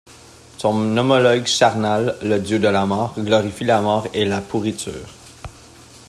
Son homologue Charnal, le dieu de la mort, glorifie la mort et la pourriture.